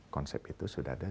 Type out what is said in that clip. konsep itu sudah ada